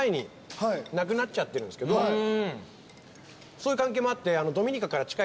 そういう関係もあって。